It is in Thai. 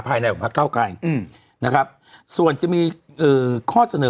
ภายในของพักเก้าไกรอืมนะครับส่วนจะมีเอ่อข้อเสนอ